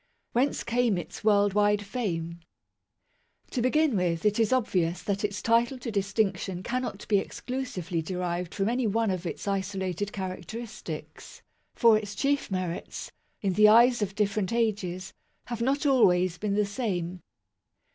Whence came its world wide fame ? To begin with, it is obvious that its title to distinc tion cannot be exclusively derived from any one of its isolated characteristics ; for its chief merits, in the eyes of different ages, have not always been the same.